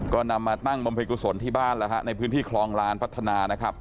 ก็นำมาตั้งบำเพ็ญกุศลที่บ้านแล้วฮะในพื้นที่คลองลานพัฒนานะครับ